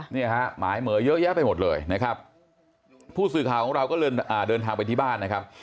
เนี่ยฮะหมายเหมือเยอะแยะไปหมดเลยนะครับผู้สื่อข่าวของเราก็เลยเดินทางไปที่บ้านนะครับ